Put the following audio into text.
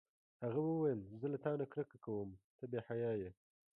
هغه وویل: زه له تا نه کرکه کوم، ته بې حیا یې.